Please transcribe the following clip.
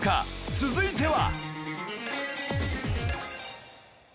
続いては